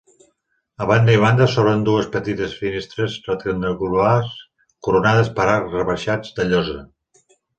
A banda i banda s'obren dues petites finestres rectangulars coronades per arcs rebaixats de llosa.